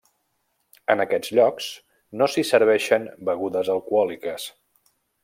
En aquests llocs no s'hi serveixen begudes alcohòliques.